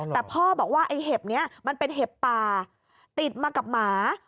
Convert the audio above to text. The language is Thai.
แต่พ่อบอกว่าไอ้เห็บนี้มันเป็นเห็บป่าติดมากับหมา